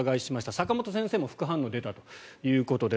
坂元先生も副反応が出たということです。